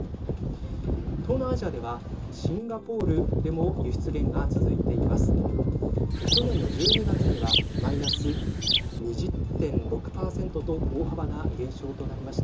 東南アジアではシンガポールでも輸出減が続いています。